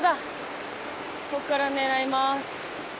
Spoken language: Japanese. ここから狙います。